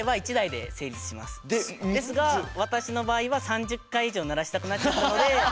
ですが私の場合は３０回以上鳴らしたくなっちゃったので。